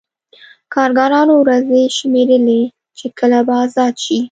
کارګرانو ورځې شمېرلې چې کله به ازاد شي